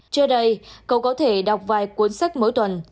trước đây cô có thể đọc vài cuốn sách mỗi tuần